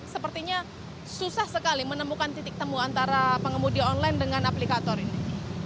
sepertinya susah sekali menemukan titik temu antara pengemudi online dengan aplikator ini